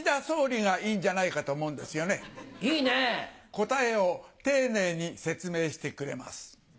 答えを丁寧に説明してくれます。